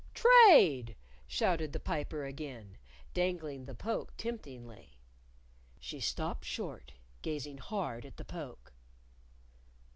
"Trade!" shouted the Piper again, dangling the poke temptingly. She stopped short, gazing hard at the poke.